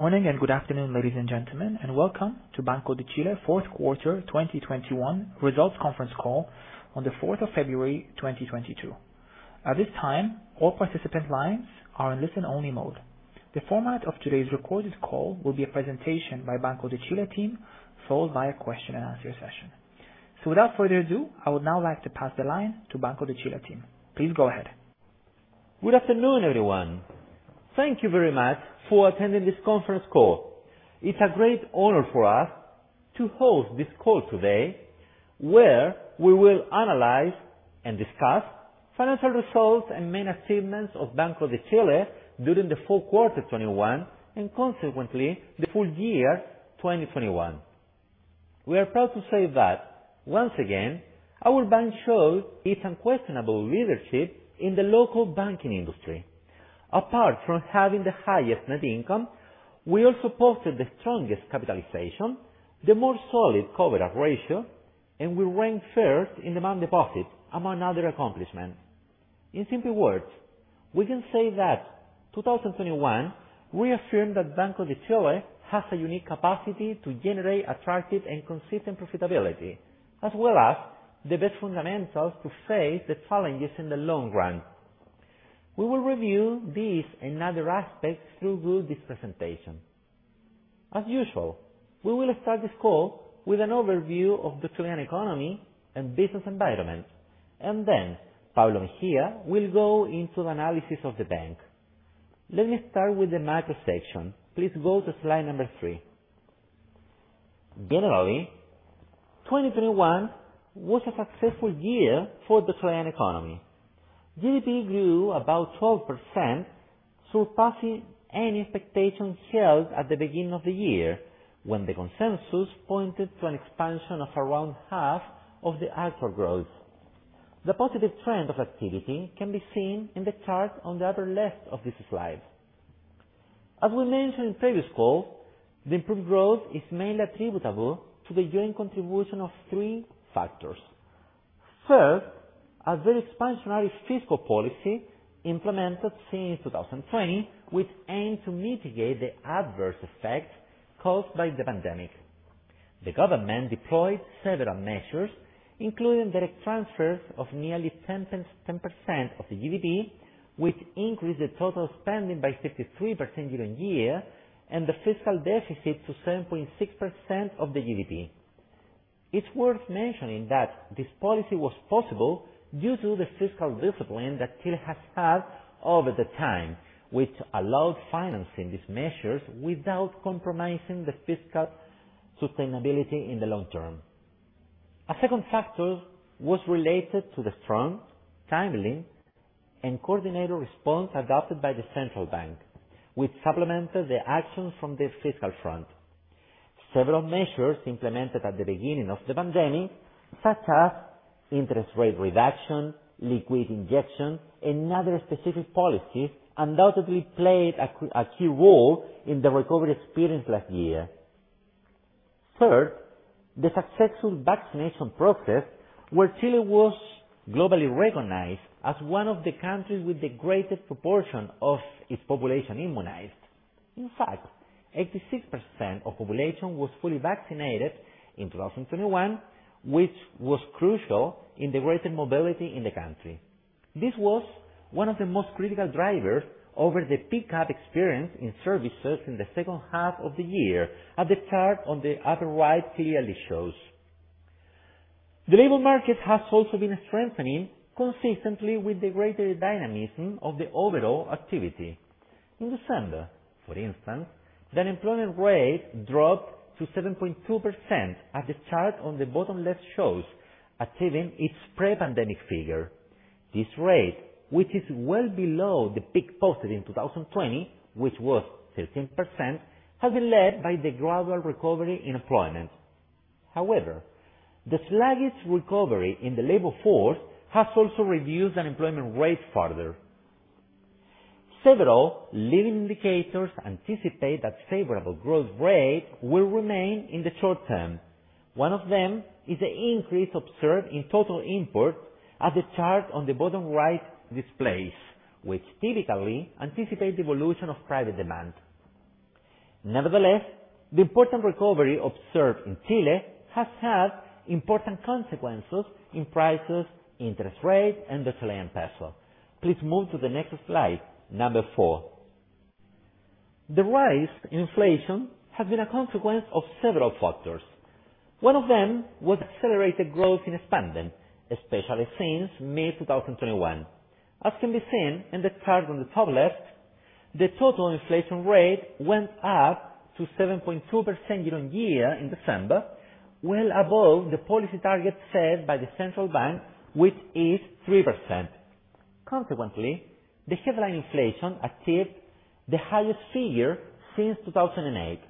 Morning and good afternoon, ladies and gentlemen, and welcome to Banco de Chile 4th quarter 2021 results conference call on the fourth of February 2022. At this time, all participant lines are in listen only mode. The format of today's recorded call will be a presentation by Banco de Chile team, followed by a question and answer session. Without further ado, I would now like to pass the line to Banco de Chile team. Please go ahead. Good afternoon, everyone. Thank you very much for attending this conference call. It's a great honor for us to host this call today, where we will analyze and discuss financial results and main achievements of Banco de Chile during the 4th quarter 2021 and consequently the full year 2021. We are proud to say that, once again, our bank showed its unquestionable leadership in the local banking industry. Apart from having the highest net income, we also posted the strongest capitalization, the more solid coverage ratio, and we ranked first in demand deposit, among other accomplishments. In simple words, we can say that 2021 reaffirmed that Banco de Chile has a unique capacity to generate attractive and consistent profitability as well as the best fundamentals to face the challenges in the long run. We will review these and other aspects throughout this presentation. As usual, we will start this call with an overview of the Chilean economy and business environment, and then Pablo Mejía will go into the analysis of the bank. Let me start with the macro section. Please go to slide three. Generally, 2021 was a successful year for the Chilean economy. GDP grew about 12%, surpassing any expectations held at the beginning of the year, when the consensus pointed to an expansion of around half of the actual growth. The positive trend of activity can be seen in the chart on the upper left of this slide. As we mentioned in previous call, the improved growth is mainly attributable to the joint contribution of three factors. First, a very expansionary fiscal policy implemented since 2020, which aimed to mitigate the adverse effects caused by the pandemic. The government deployed several measures, including direct transfers of nearly 10%, 10% of the GDP, which increased the total spending by 53% year-on-year and the fiscal deficit to 7.6% of the GDP. It's worth mentioning that this policy was possible due to the fiscal discipline that Chile has had over the time, which allowed financing these measures without compromising the fiscal sustainability in the long term. A second factor was related to the strong, timely, and coordinated response adopted by the central bank, which supplemented the actions from the fiscal front. Several measures implemented at the beginning of the pandemic, such as interest rate reduction, liquid injection, and other specific policies undoubtedly played a key role in the recovery experienced last year. Third, the successful vaccination process, where Chile was globally recognized as one of the countries with the greatest proportion of its population immunized. In fact, 86% of population was fully vaccinated in 2021, which was crucial in the greater mobility in the country. This was one of the most critical drivers over the pickup experience in services in the second half of the year as the chart on the upper right clearly shows. The labor market has also been strengthening consistently with the greater dynamism of the overall activity. In December, for instance, the unemployment rate dropped to 7.2% as the chart on the bottom left shows, achieving its pre-pandemic figure. This rate, which is well below the peak posted in 2020, which was 13%, has been led by the gradual recovery in employment. However, the sluggish recovery in the labor force has also reduced unemployment rates further. Several leading indicators anticipate that favorable growth rate will remain in the short term. One of them is the increase observed in total imports as the chart on the bottom right displays, which typically anticipate the evolution of private demand. Nevertheless, the important recovery observed in Chile has had important consequences in prices, interest rates, and the Chilean peso. Please move to the next slide, number four. The rise in inflation has been a consequence of several factors. One of them was accelerated growth in spending, especially since mid-2021. As can be seen in the chart on the top left, the total inflation rate went up to 7.2% year-on-year in December, well above the policy target set by the central bank, which is 3%. Consequently, the headline inflation achieved the highest figure since 2008.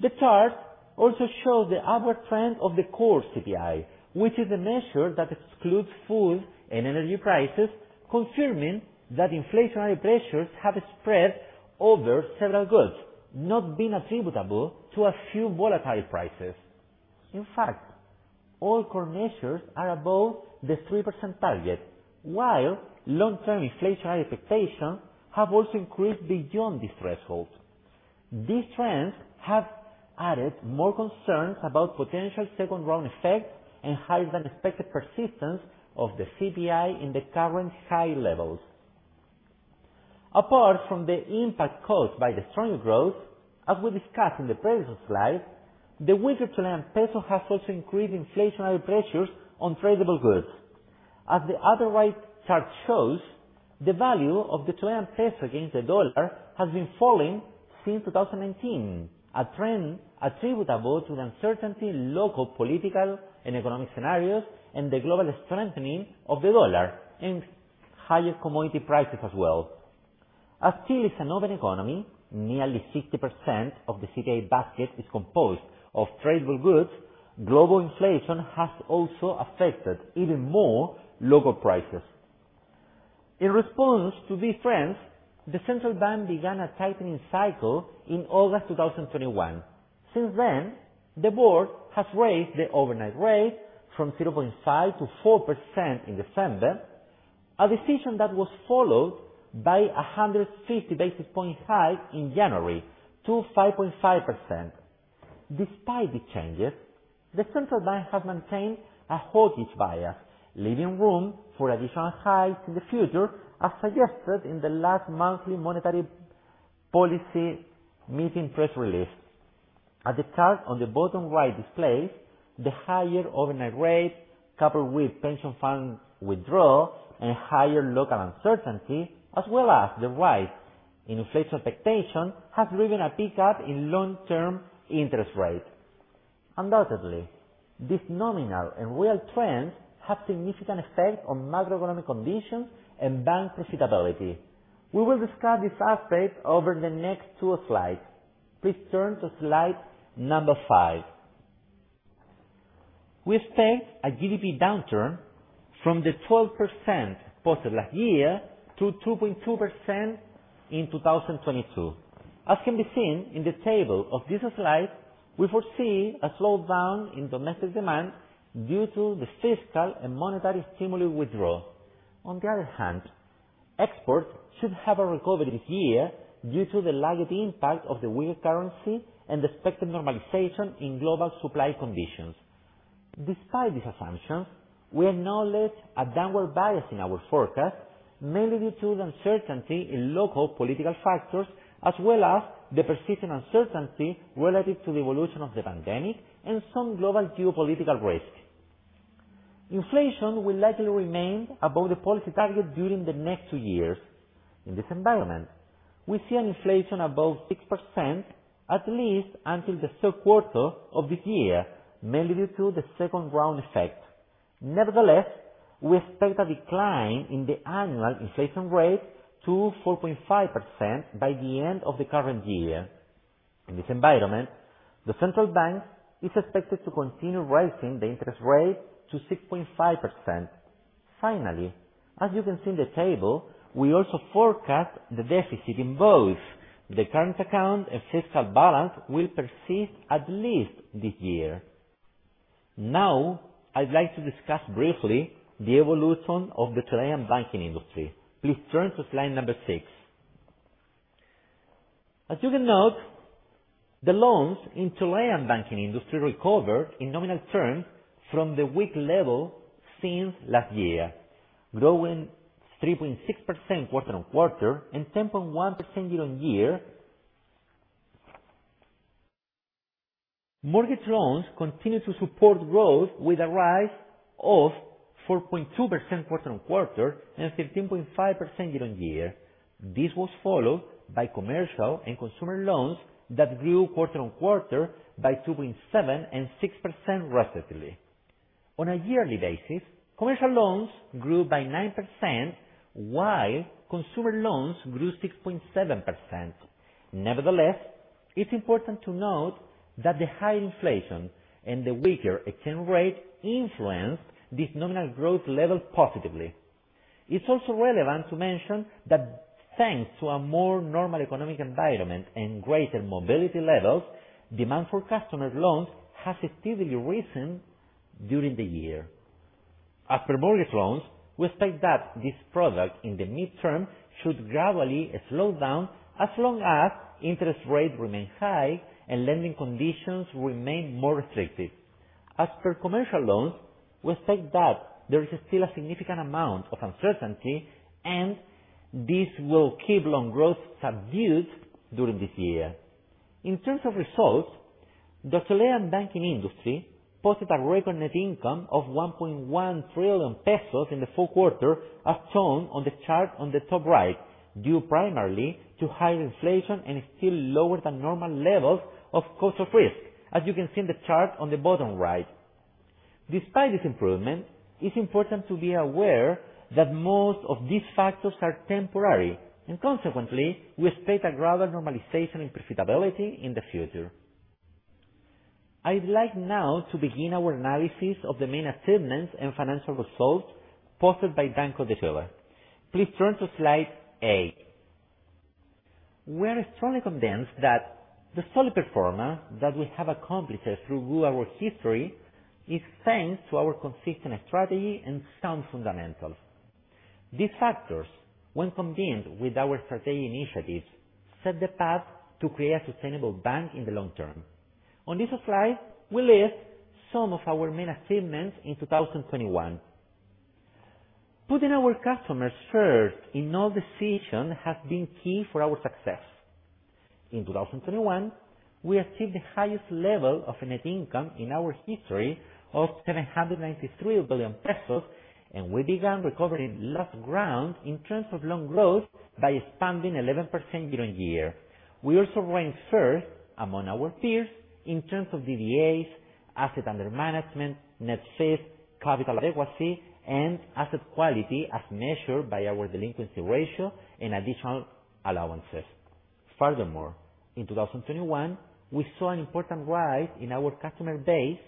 The chart also shows the upward trend of the core CPI, which is the measure that excludes food and energy prices, confirming that inflationary pressures have spread over several goods, not been attributable to a few volatile prices. In fact, all core measures are above the 3% target, while long-term inflation expectations have also increased beyond the threshold. These trends have added more concerns about potential second-round effect and higher-than-expected persistence of the CPI in the current high levels. Apart from the impact caused by the stronger growth, as we discussed in the previous slide, the weaker Chilean peso has also increased inflationary pressures on tradable goods. As the other right chart shows, the value of the Chilean peso against the dollar has been falling since 2018, a trend attributable to the uncertainty in local, political, and economic scenarios, and the global strengthening of the dollar and higher commodity prices as well. As Chile is an open economy, nearly 60% of the CPI basket is composed of tradable goods. Global inflation has also affected even more local prices. In response to these trends, the central bank began a tightening cycle in August 2021. Since then, the board has raised the overnight rate from 0.5% to 4% in December, a decision that was followed by a 150 basis point hike in January to 5.5%. Despite the changes, the central bank has maintained a hawkish bias, leaving room for additional hikes in the future, as suggested in the last monthly monetary policy meeting press release. As the chart on the bottom right displays, the higher overnight rate, coupled with pension funds withdrawal and higher local uncertainty, as well as the rise in inflation expectation, has driven a pickup in long term interest rate. Undoubtedly, these nominal and real trends have significant effect on macroeconomic conditions and bank profitability. We will discuss this aspect over the next two slides. Please turn to slide number five. We expect a GDP downturn from the 12% posted last year to 2.2% in 2022. As can be seen in the table of this slide, we foresee a slowdown in domestic demand due to the fiscal and monetary stimuli withdrawal. On the other hand, exports should have a recovery this year due to the lagged impact of the weaker currency and the expected normalization in global supply conditions. Despite these assumptions, we acknowledge a downward bias in our forecast, mainly due to the uncertainty in local political factors, as well as the persistent uncertainty relative to the evolution of the pandemic and some global geopolitical risk. Inflation will likely remain above the policy target during the next two years. In this environment, we see an inflation above 6%, at least until the 3rd quarter of this year, mainly due to the second round effect. Nevertheless, we expect a decline in the annual inflation rate to 4.5% by the end of the current year. In this environment, the central bank is expected to continue raising the interest rate to 6.5%. Finally, as you can see in the table, we also forecast the deficit in both the current account and fiscal balance will persist at least this year. Now, I'd like to discuss briefly the evolution of the Chilean banking industry. Please turn to slide number six. As you can note, the loans in Chilean banking industry recovered in nominal terms from the weak level since last year, growing 3.6% quarter-on-quarter and 10.1% year-on-year. Mortgage loans continued to support growth with a rise of 4.2% quarter-on-quarter and 13.5% year-on-year. This was followed by commercial and consumer loans that grew quarter-on-quarter by 2.7% and 6% respectively. On a yearly basis, commercial loans grew by 9%, while consumer loans grew 6.7%. Nevertheless, it's important to note that the high inflation and the weaker exchange rate influenced this nominal growth level positively. It's also relevant to mention that thanks to a more normal economic environment and greater mobility levels, demand for customer loans has steadily risen during the year. As per mortgage loans, we expect that this product in the midterm should gradually slow down as long as interest rates remain high and lending conditions remain more restrictive. As per commercial loans, we expect that there is still a significant amount of uncertainty, and this will keep loan growth subdued during this year. In terms of results, the Chilean banking industry posted a record net income of 1.1 trillion pesos in the 4th quarter, as shown on the chart on the top right, due primarily to higher inflation and still lower than normal levels of cost of risk, as you can see in the chart on the bottom right. Despite this improvement, it's important to be aware that most of these factors are temporary, and consequently, we expect a gradual normalization in profitability in the future. I'd like now to begin our analysis of the main achievements and financial results posted by Banco de Chile. Please turn to slide eight. We are strongly convinced that the solid performance that we have accomplished throughout our history is thanks to our consistent strategy and sound fundamentals. These factors, when combined with our strategic initiatives, set the path to create a sustainable bank in the long term. On this slide, we list some of our main achievements in 2021. Putting our customers first in all decision has been key for our success. In 2021, we achieved the highest level of net income in our history of 793 billion pesos, and we began recovering lost ground in terms of loan growth by expanding 11% year-on-year. We also ranked first among our peers in terms of DDAs, assets under management, net fees, capital adequacy, and asset quality as measured by our delinquency ratio and additional allowances. Furthermore, in 2021, we saw an important rise in our customer base,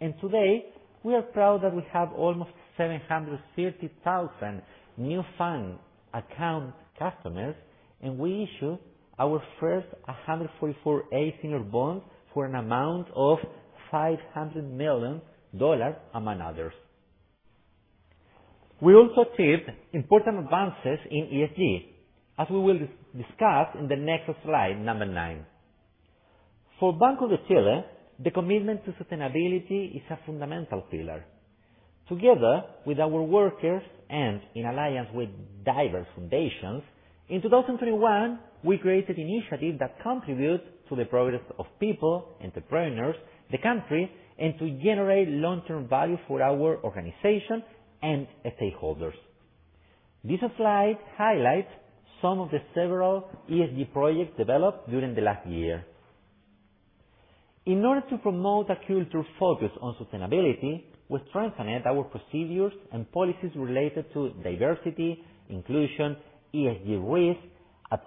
and today we are proud that we have almost 730,000 new FAN account customers, and we issue our first 144A senior bond for an amount of $500 million, among others. We also achieved important advances in ESG, as we will discuss in the next slide, number nine. For Banco de Chile, the commitment to sustainability is a fundamental pillar. Together with our workers and in alliance with diverse foundations, in 2021, we created an initiative that contributes to the progress of people, entrepreneurs, the country, and to generate long-term value for our organization and stakeholders. This slide highlights some of the several ESG projects developed during the last year. In order to promote a culture focused on sustainability, we strengthened our procedures and policies related to diversity, inclusion, ESG risk,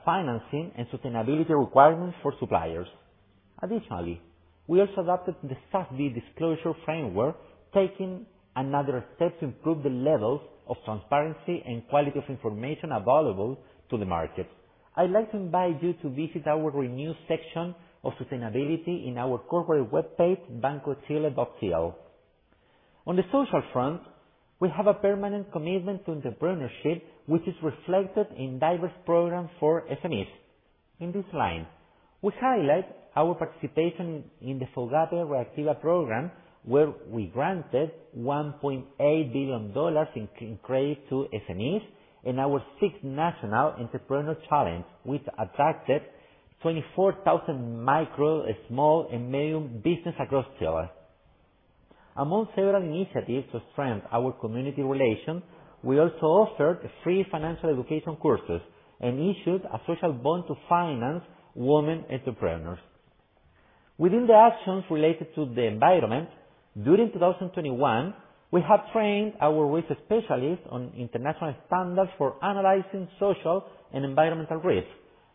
financing, and sustainability requirements for suppliers. Additionally, we also adopted the SASB Disclosure Framework, taking another step to improve the levels of transparency and quality of information available to the market. I'd like to invite you to visit our renew section of sustainability in our corporate webpage, bancochile.cl. On the social front, we have a permanent commitment to entrepreneurship, which is reflected in diverse programs for SMEs. In this line, we highlight our participation in the FOGAPE Reactiva program, where we granted $1.8 billion in credit to SMEs, and our sixth national entrepreneurial challenge, which attracted 24,000 micro, small, and medium business across Chile. Among several initiatives to strengthen our community relations, we also offered free financial education courses and issued a social bond to finance women entrepreneurs. Within the actions related to the environment, during 2021, we have trained our risk specialists on international standards for analyzing social and environmental risks,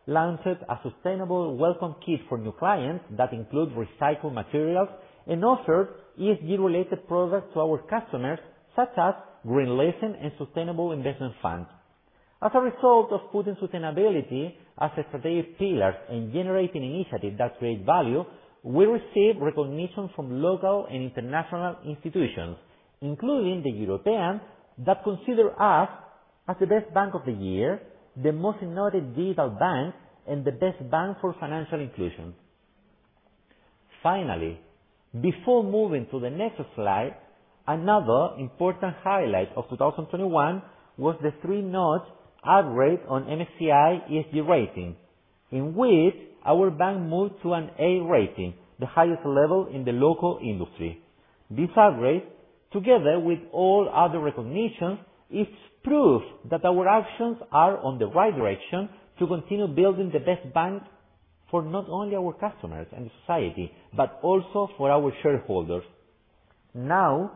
launched a sustainable welcome kit for new clients that include recycled materials, and offered ESG-related products to our customers, such as green leasing and sustainable investment funds. As a result of putting sustainability as a strategic pillar and generating initiative that create value, we receive recognition from local and international institutions, including The European, that consider us as the best bank of the year, the most innovative digital bank, and the best bank for financial inclusion. Finally, before moving to the next slide, another important highlight of 2021 was the three-notch upgrade on MSCI ESG rating, in which our bank moved to an A rating, the highest level in the local industry. This upgrade, together with all other recognitions, it's proof that our actions are in the right direction to continue building the best bank for not only our customers and society, but also for our shareholders. Now,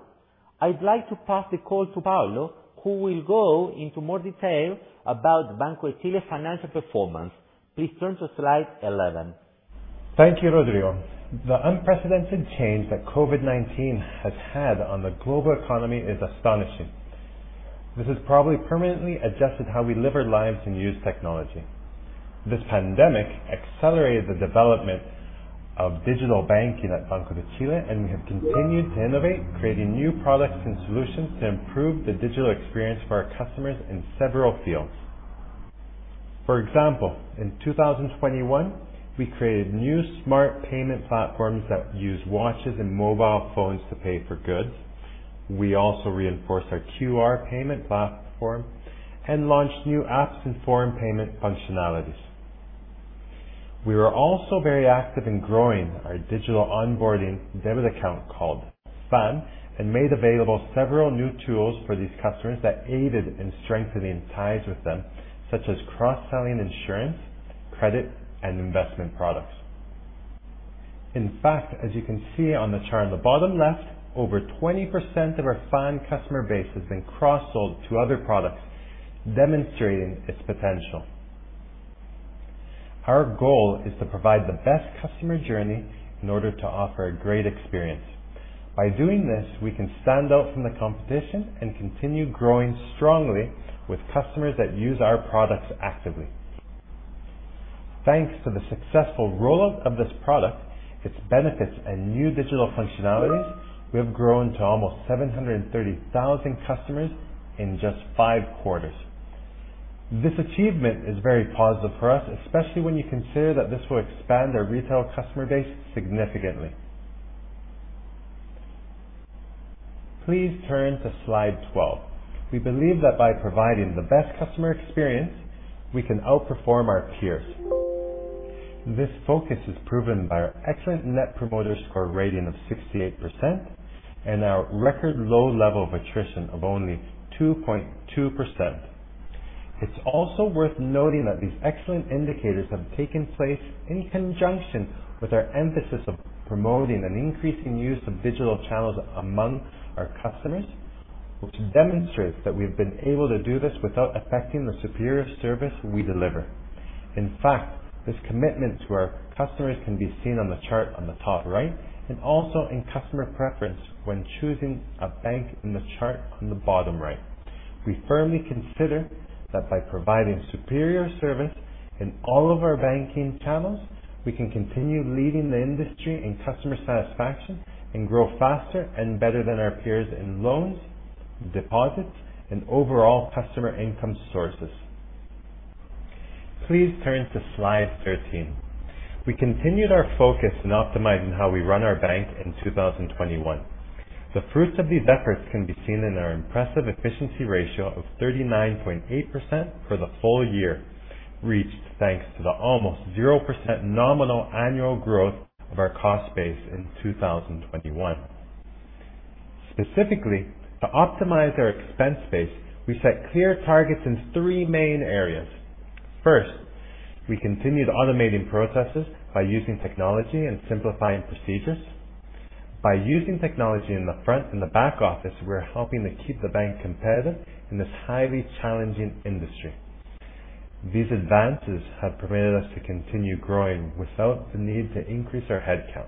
I'd like to pass the call to Pablo, who will go into more detail about Banco de Chile's financial performance. Please turn to slide 11. Thank you, Rodrigo. The unprecedented change that COVID-19 has had on the global economy is astonishing. This has probably permanently adjusted how we live our lives and use technology. This pandemic accelerated the development of digital banking at Banco de Chile, and we have continued to innovate, creating new products and solutions to improve the digital experience for our customers in several fields. For example, in 2021, we created new smart payment platforms that use watches and mobile phones to pay for goods. We also reinforced our QR payment platform and launched new apps and foreign payment functionalities. We were also very active in growing our digital onboarding debit account called FAN and made available several new tools for these customers that aided in strengthening ties with them, such as cross-selling insurance, credit, and investment products. In fact, as you can see on the chart on the bottom left, over 20% of our FAN customer base has been cross-sold to other products, demonstrating its potential. Our goal is to provide the best customer journey in order to offer a great experience. By doing this, we can stand out from the competition and continue growing strongly with customers that use our products actively. Thanks to the successful rollout of this product, its benefits, and new digital functionalities, we have grown to almost 730,000 customers in just 5 quarters. This achievement is very positive for us, especially when you consider that this will expand our retail customer base significantly. Please turn to slide 12. We believe that by providing the best customer experience, we can outperform our peers. This focus is proven by our excellent Net Promoter Score rating of 68% and our record low level of attrition of only 2.2%. It's also worth noting that these excellent indicators have taken place in conjunction with our emphasis of promoting and increasing use of digital channels among our customers, which demonstrates that we've been able to do this without affecting the superior service we deliver. In fact, this commitment to our customers can be seen on the chart on the top right, and also in customer preference when choosing a bank in the chart on the bottom right. We firmly consider that by providing superior service in all of our banking channels, we can continue leading the industry in customer satisfaction and grow faster and better than our peers in loans, deposits, and overall customer income sources. Please turn to slide 13. We continued our focus in optimizing how we run our bank in 2021. The fruits of these efforts can be seen in our impressive efficiency ratio of 39.8% for the full year, reached thanks to the almost 0% nominal annual growth of our cost base in 2021. Specifically, to optimize our expense base, we set clear targets in three main areas. First, we continued automating processes by using technology and simplifying procedures. By using technology in the front and the back office, we're helping to keep the bank competitive in this highly challenging industry. These advances have permitted us to continue growing without the need to increase our headcount.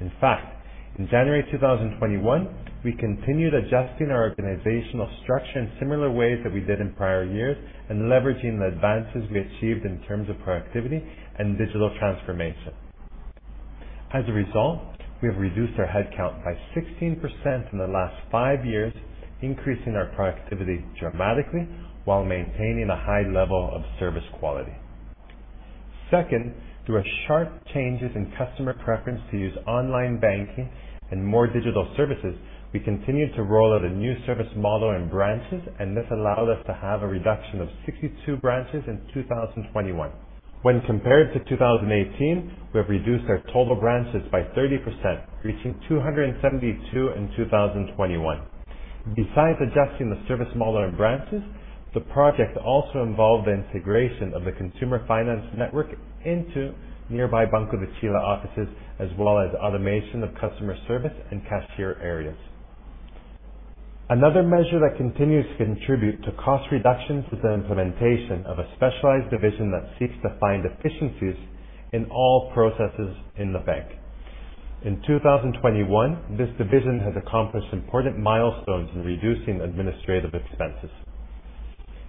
In fact, in January 2021, we continued adjusting our organizational structure in similar ways that we did in prior years and leveraging the advances we achieved in terms of productivity and digital transformation. As a result, we have reduced our headcount by 16% in the last five years, increasing our productivity dramatically while maintaining a high level of service quality. Second, through sharp changes in customer preference to use online banking and more digital services, we continued to roll out a new service model in branches, and this allowed us to have a reduction of 62 branches in 2021. When compared to 2018, we have reduced our total branches by 30%, reaching 272 in 2021. Besides adjusting the service model in branches, the project also involved the integration of the consumer finance network into nearby Banco de Chile offices, as well as automation of customer service and cashier areas. Another measure that continues to contribute to cost reductions is the implementation of a specialized division that seeks to find efficiencies in all processes in the bank. In 2021, this division has accomplished important milestones in reducing administrative expenses.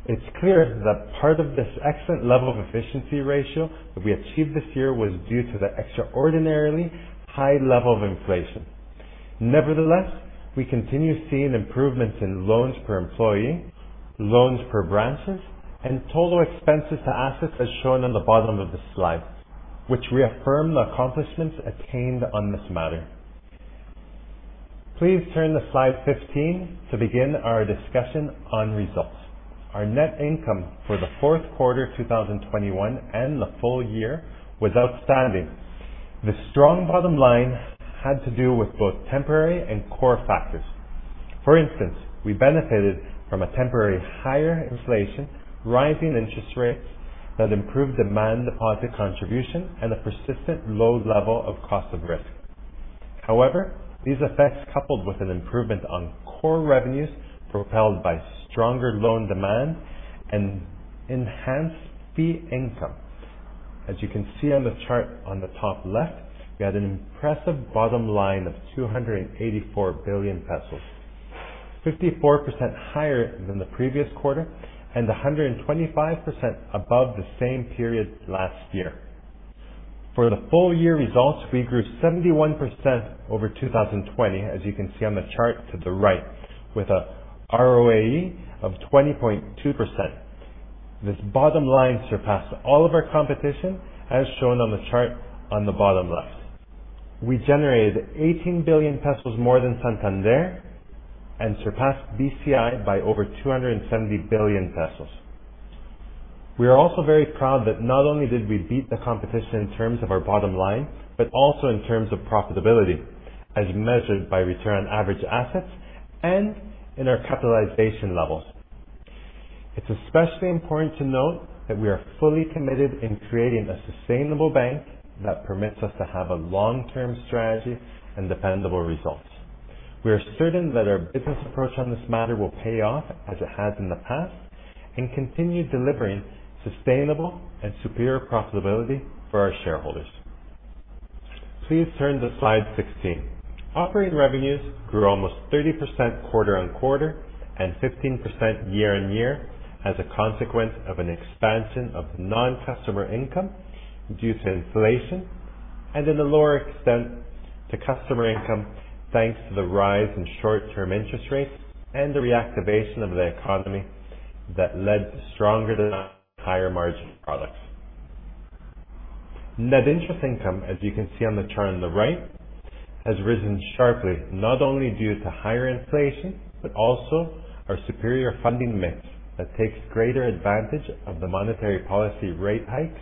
It's clear that part of this excellent level of efficiency ratio that we achieved this year was due to the extraordinarily high level of inflation. Nevertheless, we continue seeing improvements in loans per employee, loans per branches, and total expenses to assets as shown on the bottom of the slide, which reaffirm the accomplishments attained on this matter. Please turn to slide 15 to begin our discussion on results. Our net income for the 4th quarter 2021 and the full year was outstanding. The strong bottom line had to do with both temporary and core factors. For instance, we benefited from a temporary higher inflation, rising interest rates that improved demand deposit contribution, and a persistent low level of cost of risk. However, these effects coupled with an improvement on core revenues propelled by stronger loan demand and enhanced fee income. As you can see on the chart on the top left, we had an impressive bottom line of 284 billion pesos, 54% higher than the previous quarter and 125% above the same period last year. For the full year results, we grew 71% over 2020, as you can see on the chart to the right, with a ROAE of 20.2%. This bottom line surpassed all of our competition, as shown on the chart on the bottom left. We generated 18 billion pesos more than Santander and surpassed BCI by over 270 billion pesos. We are also very proud that not only did we beat the competition in terms of our bottom line, but also in terms of profitability, as measured by return on average assets and in our capitalization levels. It's especially important to note that we are fully committed in creating a sustainable bank that permits us to have a long-term strategy and dependable results. We are certain that our business approach on this matter will pay off as it has in the past. Continue delivering sustainable and superior profitability for our shareholders. Please turn to slide 16. Operating revenues grew almost 30% quarter-on-quarter and 15% year-on-year as a consequence of an expansion of non-customer income due to inflation, and in a lower extent to customer income, thanks to the rise in short-term interest rates and the reactivation of the economy that led to stronger demand higher margin products. Net interest income, as you can see on the chart on the right, has risen sharply, not only due to higher inflation, but also our superior funding mix that takes greater advantage of the monetary policy rate hikes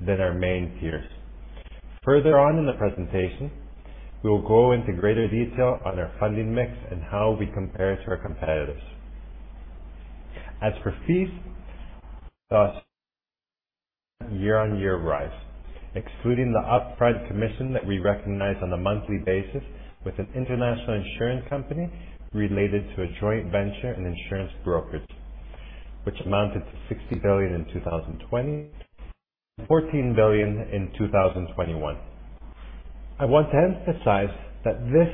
than our main peers. Further on in the presentation, we will go into greater detail on our funding mix and how we compare to our competitors. As for fees, we saw year-on-year rise, excluding the upfront commission that we recognize on a monthly basis with an international insurance company related to a joint venture and insurance brokerage, which amounted to CLP 60 billion in 2020, CLP 14 billion in 2021. I want to emphasize that this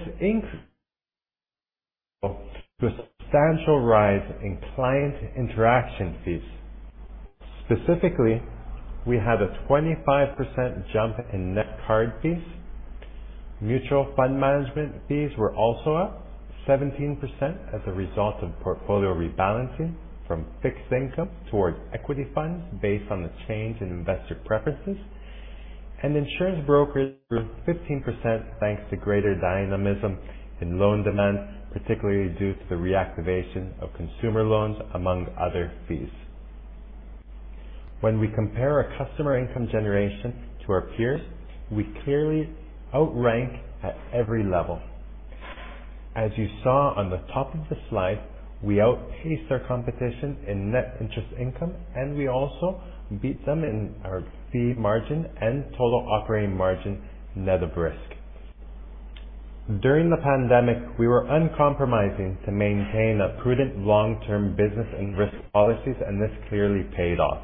substantial rise in client interaction fees. Specifically, we had a 25% jump in net card fees. Mutual fund management fees were also up 17% as a result of portfolio rebalancing from fixed income towards equity funds based on the change in investor preferences. Insurance brokers grew 15% thanks to greater dynamism in loan demand, particularly due to the reactivation of consumer loans, among other fees. When we compare our customer income generation to our peers, we clearly outrank at every level. As you saw on the top of the slide, we outpace our competition in net interest income, and we also beat them in our fee margin and total operating margin net of risk. During the pandemic, we were uncompromising to maintain a prudent long-term business and risk policies, and this clearly paid off.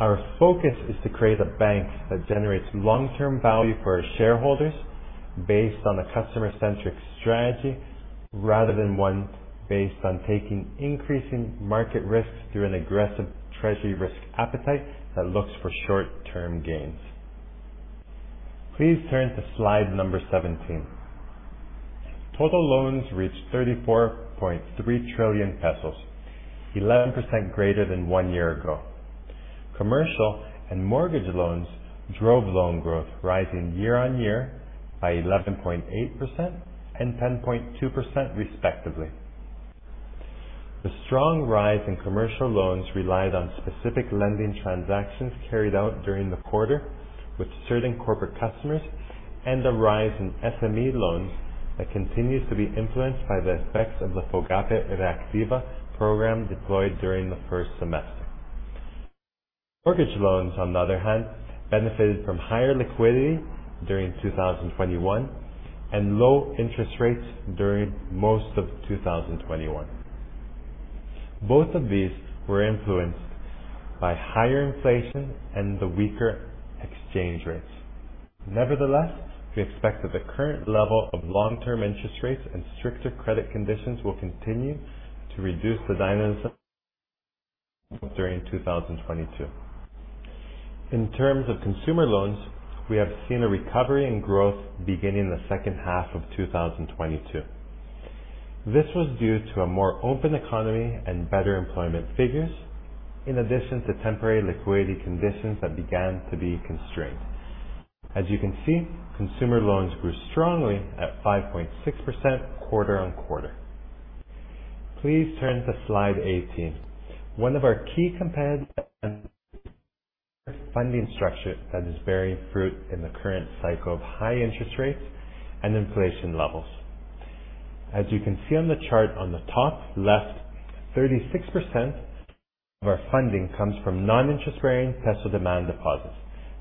Our focus is to create a bank that generates long-term value for our shareholders based on a customer-centric strategy, rather than one based on taking increasing market risks through an aggressive treasury risk appetite that looks for short-term gains. Please turn to slide number 17. Total loans reached 34.3 trillion pesos, 11% greater than one year ago. Commercial and mortgage loans drove loan growth rising year-on-year by 11.8% and 10.2% respectively. The strong rise in commercial loans relied on specific lending transactions carried out during the quarter with certain corporate customers and the rise in SME loans that continues to be influenced by the effects of the FOGAPE Reactiva program deployed during the first semester. Mortgage loans, on the other hand, benefited from higher liquidity during 2021 and low interest rates during most of 2021. Both of these were influenced by higher inflation and the weaker exchange rates. Nevertheless, we expect that the current level of long-term interest rates and stricter credit conditions will continue to reduce the dynamism during 2022. In terms of consumer loans, we have seen a recovery in growth beginning the second half of 2022. This was due to a more open economy and better employment figures, in addition to temporary liquidity conditions that began to be constrained. As you can see, consumer loans grew strongly at 5.6% quarter-on-quarter. Please turn to slide 18. One of our key competitive funding structure that is bearing fruit in the current cycle of high interest rates and inflation levels. As you can see on the chart on the top left, 36% of our funding comes from non-interest-bearing peso demand deposits.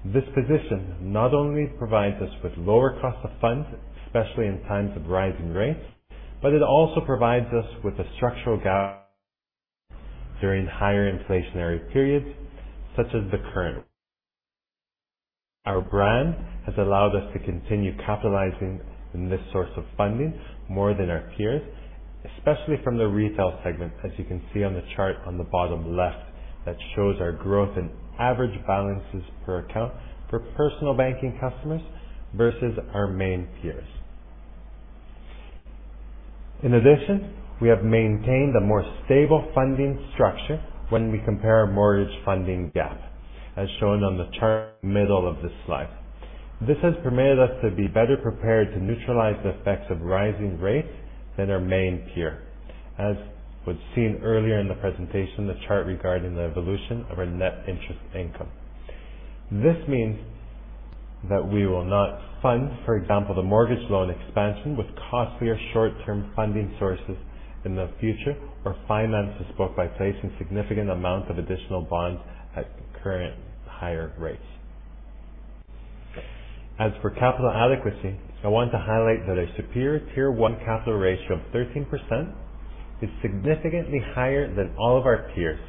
This position not only provides us with lower cost of funds, especially in times of rising rates, but it also provides us with a structural gap during higher inflationary periods such as the current. Our brand has allowed us to continue capitalizing in this source of funding more than our peers, especially from the retail segment, as you can see on the chart on the bottom left that shows our growth in average balances per account for personal banking customers versus our main peers. In addition, we have maintained a more stable funding structure when we compare our mortgage funding gap, as shown on the chart in the middle of this slide. This has permitted us to be better prepared to neutralize the effects of rising rates than our main peer, as was seen earlier in the presentation, the chart regarding the evolution of our net interest income. This means that we will not fund, for example, the mortgage loan expansion with costlier short-term funding sources in the future or finance this book by placing significant amounts of additional bonds at current higher rates. As for capital adequacy, I want to highlight that a superior Tier one capital ratio of 13% is significantly higher than all of our peers.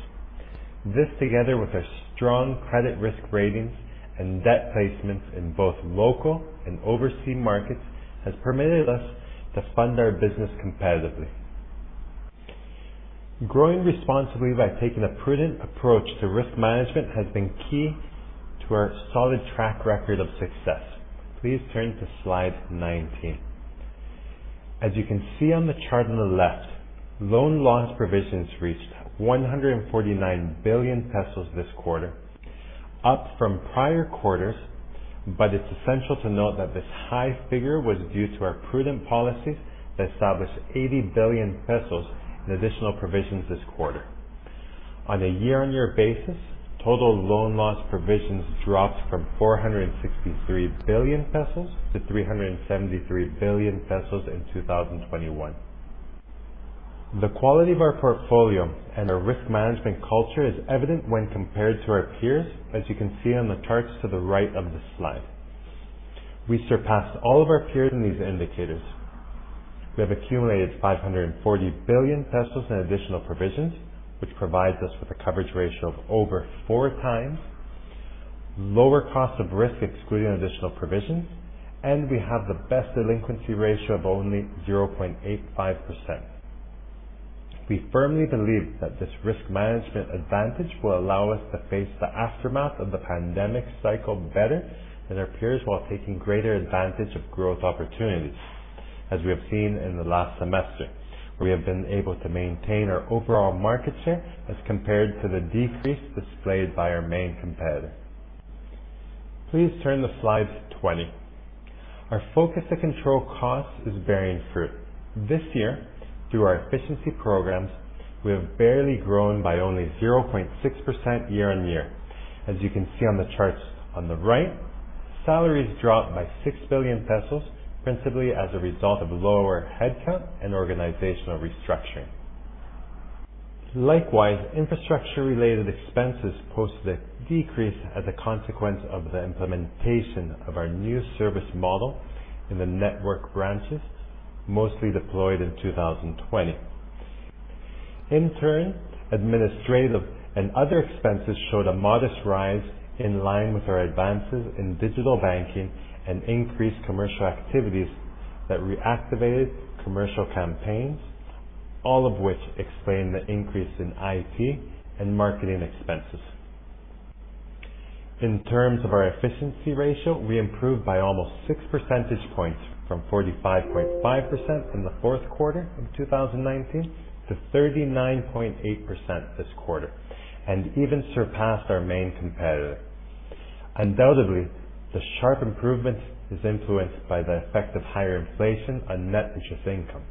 This, together with a strong credit risk ratings and debt placements in both local and overseas markets, has permitted us to fund our business competitively. Growing responsibly by taking a prudent approach to risk management has been key to our solid track record of success. Please turn to slide 19. As you can see on the chart on the left, loan loss provisions reached 149 billion pesos this quarter, up from prior quarters. It's essential to note that this high figure was due to our prudent policies that established 80 billion pesos in additional provisions this quarter. On a year-on-year basis, total loan loss provisions dropped from 463 billion pesos to 373 billion pesos in 2021. The quality of our portfolio and our risk management culture is evident when compared to our peers, as you can see on the charts to the right of this slide. We surpassed all of our peers in these indicators. We have accumulated 540 billion pesos in additional provisions, which provides us with a coverage ratio of over four times, lower cost of risk excluding additional provisions, and we have the best delinquency ratio of only 0.85%. We firmly believe that this risk management advantage will allow us to face the aftermath of the pandemic cycle better than our peers, while taking greater advantage of growth opportunities. As we have seen in the last semester, we have been able to maintain our overall market share as compared to the decrease displayed by our main competitor. Please turn to slide 20. Our focus to control costs is bearing fruit. This year, through our efficiency programs, we have barely grown by only 0.6% year-on-year. As you can see on the charts on the right, salaries dropped by 6 billion pesos, principally as a result of lower headcount and organizational restructuring. Likewise, infrastructure-related expenses posted a decrease as a consequence of the implementation of our new service model in the network branches, mostly deployed in 2020. In turn, administrative and other expenses showed a modest rise in line with our advances in digital banking and increased commercial activities that reactivated commercial campaigns, all of which explain the increase in IT and marketing expenses. In terms of our efficiency ratio, we improved by almost six percentage points from 45.5% in the 4th quarter of 2019 to 39.8% this quarter, and even surpassed our main competitor. Undoubtedly, the sharp improvement is influenced by the effect of higher inflation on net interest income.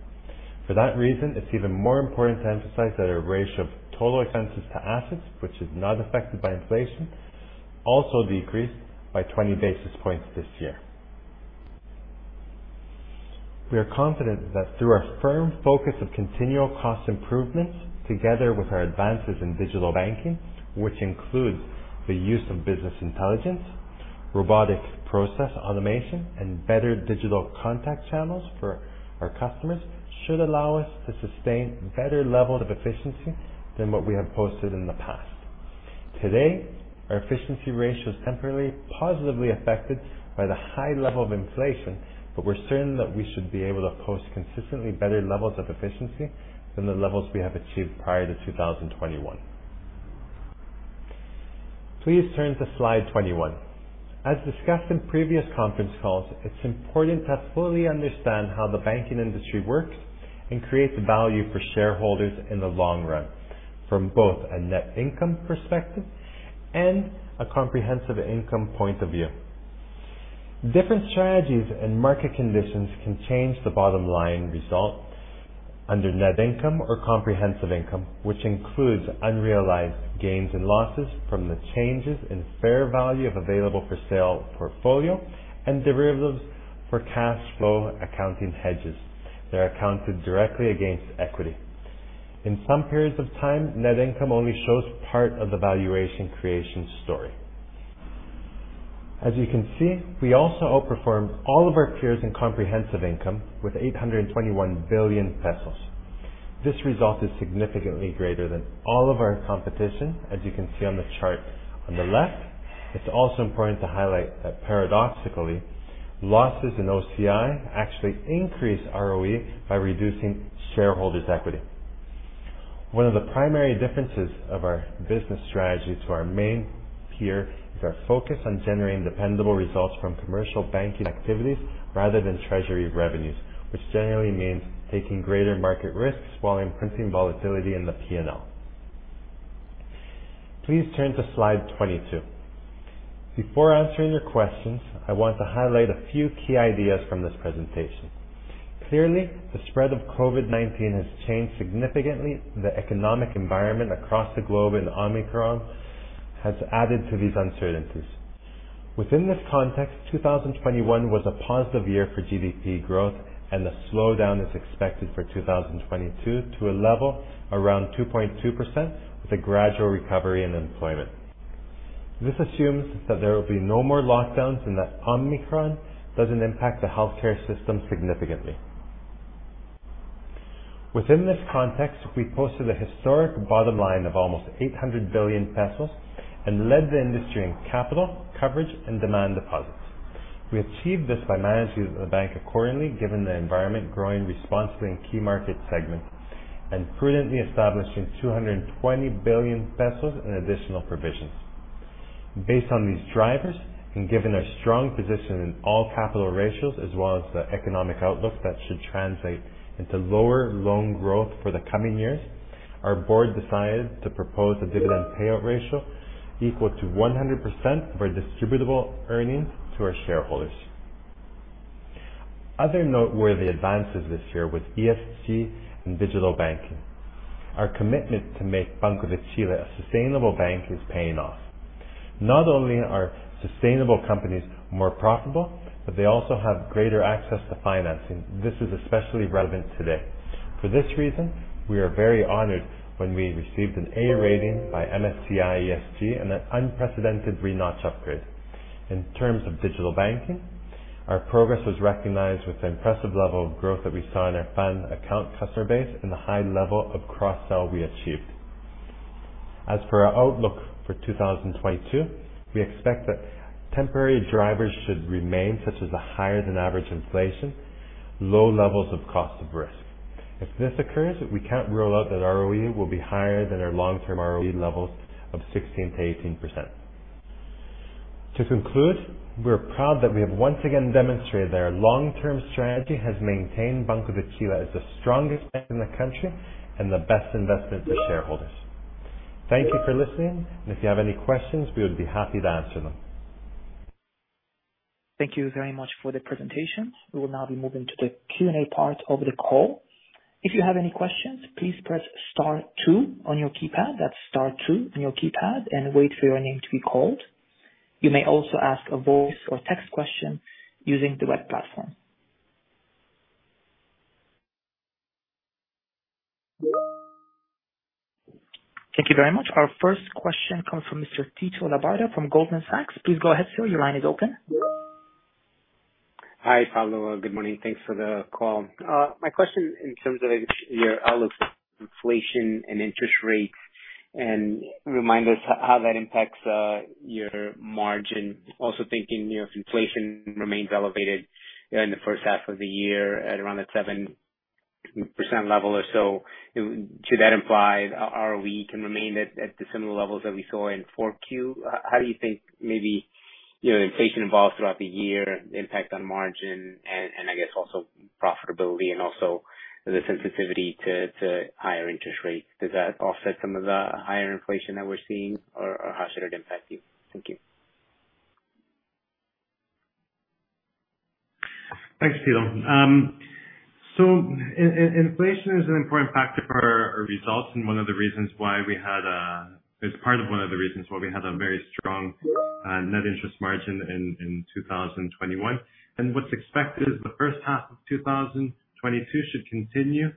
For that reason, it's even more important to emphasize that our ratio of total expenses to assets, which is not affected by inflation, also decreased by 20 basis points this year. We are confident that through our firm focus of continual cost improvements, together with our advances in digital banking, which include the use of business intelligence, robotic process automation, and better digital contact channels for our customers, should allow us to sustain better level of efficiency than what we have posted in the past. Today, our efficiency ratio is temporarily positively affected by the high level of inflation, but we're certain that we should be able to post consistently better levels of efficiency than the levels we have achieved prior to 2021. Please turn to slide 21. As discussed in previous conference calls, it's important to fully understand how the banking industry works and creates value for shareholders in the long run, from both a net income perspective and a comprehensive income point of view. Different strategies and market conditions can change the bottom line result under net income or comprehensive income, which includes unrealized gains and losses from the changes in fair value of available-for-sale portfolio and derivatives for cash flow accounting hedges that are accounted directly against equity. In some periods of time, net income only shows part of the valuation creation story. As you can see, we also outperformed all of our peers in comprehensive income with 821 billion pesos. This result is significantly greater than all of our competition, as you can see on the chart on the left. It's also important to highlight that paradoxically, losses in OCI actually increase ROE by reducing shareholders equity. One of the primary differences of our business strategy to our main peer is our focus on generating dependable results from commercial banking activities rather than treasury revenues, which generally means taking greater market risks while imparting volatility in the P&L. Please turn to slide 22. Before answering your questions, I want to highlight a few key ideas from this presentation. Clearly, the spread of COVID-19 has changed significantly the economic environment across the globe, and Omicron has added to these uncertainties. Within this context, 2021 was a positive year for GDP growth, and the slowdown is expected for 2022 to a level around 2.2% with a gradual recovery in employment. This assumes that there will be no more lockdowns and that Omicron doesn't impact the healthcare system significantly. Within this context, we posted a historic bottom line of almost 800 billion pesos and led the industry in capital, coverage, and demand deposits. We achieved this by managing the bank accordingly, given the environment, growing responsibly in key market segments and prudently establishing 220 billion pesos in additional provisions. Based on these drivers and given our strong position in all capital ratios as well as the economic outlook that should translate into lower loan growth for the coming years, our board decided to propose a dividend payout ratio equal to 100% of our distributable earnings to our shareholders. Other noteworthy advances this year with ESG and digital banking. Our commitment to make Banco de Chile a sustainable bank is paying off. Not only are sustainable companies more profitable, but they also have greater access to financing. This is especially relevant today. For this reason, we are very honored when we received an A rating by MSCI ESG and an unprecedented three-notch upgrade. In terms of digital banking, our progress was recognized with the impressive level of growth that we saw in our FAN account customer base and the high level of cross-sell we achieved. As for our outlook for 2022, we expect that temporary drivers should remain, such as a higher than average inflation, low levels of cost of risk. If this occurs, we can't rule out that ROE will be higher than our long-term ROE levels of 16%-18%. To conclude, we're proud that we have once again demonstrated that our long-term strategy has maintained Banco de Chile as the strongest bank in the country and the best investment for shareholders. Thank you for listening, and if you have any questions, we would be happy to answer them. Thank you very much for the presentation. We will now be moving to the Q&A part of the call. If you have any questions, please press star two on your keypad. That's star two on your keypad and wait for your name to be called. You may also ask a voice or text question using the web platform. Thank you very much. Our first question comes from Mr. Tito Labarta from Goldman Sachs. Please go ahead, sir. Your line is open. Hi, Pablo. Good morning. Thanks for the call. My question in terms of your outlook, inflation and interest rates, and remind us how that impacts your margin. Also thinking, you know, if inflation remains elevated in the first half of the year at around the 7% level or so, should that imply ROE can remain at the similar levels that we saw in 4Q? How do you think maybe, you know, inflation evolves throughout the year, impact on margin and I guess also profitability and also the sensitivity to higher interest rates? Does that offset some of the higher inflation that we're seeing or how should it impact you? Thank you. Thanks, Tito. Inflation is an important factor for our results and one of the reasons why we had a very strong net interest margin in 2021. What's expected is the first half of 2022 should continue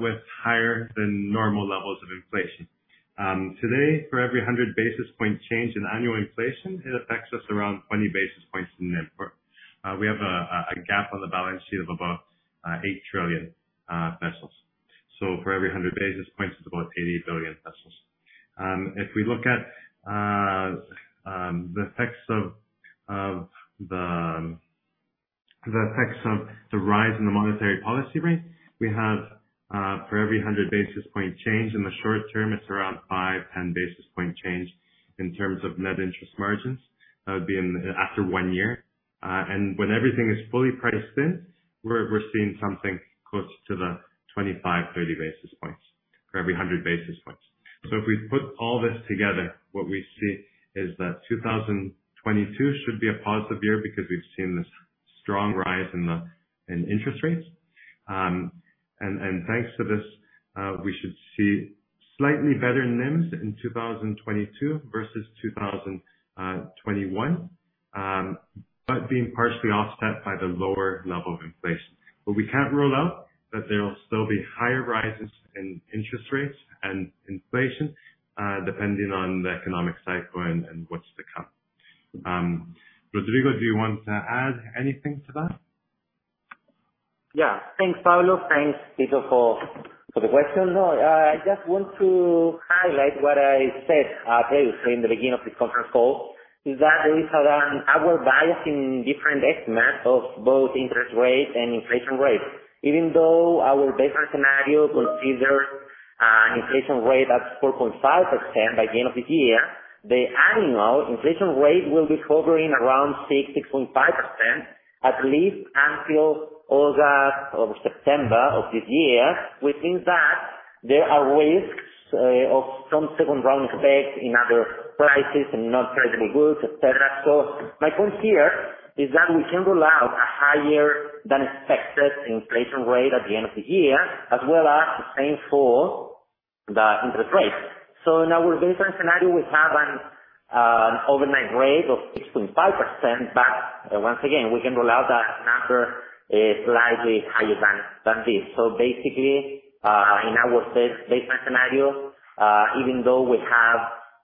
with higher than normal levels of inflation. Today, for every 100 basis point change in annual inflation, it affects us around 20 basis points in net worth. We have a gap on the balance sheet of about 8 trillion pesos. For every 100 basis points is about 80 billion pesos. If we look at the effects of the rise in the monetary policy rate, we have for every 100 basis point change in the short term, it's around five to 10 basis point change in terms of net interest margins. That would be after one year. When everything is fully priced in, we're seeing something close to the 25-30 basis points for every 100 basis points. If we put all this together, what we see is that 2022 should be a positive year because we've seen this strong rise in interest rates. Thanks to this, we should see slightly better NIMs in 2022 versus 2021, but being partially offset by the lower level of inflation. We can't rule out that there will still be higher rises in interest rates and inflation, depending on the economic cycle and what's to come. Rodrigo, do you want to add anything to that? Yeah. Thanks, Pablo. Thanks, Tito, for the question. No, I just want to highlight what I said previously in the beginning of this conference call, is that there is an upward bias in different estimates of both interest rates and inflation rates. Even though our baseline scenario considers an inflation rate at 4.5% by the end of the year, the annual inflation rate will be hovering around 6%-6.5%, at least until August or September of this year. Within that, there are risks of some second-round effects in other prices and non-tradable goods, et cetera. My point here is that we can't rule out a higher than expected inflation rate at the end of the year, as well as the same for the interest rate. In our baseline scenario, we have an overnight rate of 6.5%. But once again, we cannot rule out that the number is slightly higher than this. Basically, in our baseline scenario, even though we have